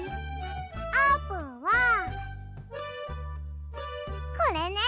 あーぷんはこれね。